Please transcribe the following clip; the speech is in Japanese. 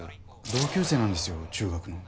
同級生なんですよ中学の。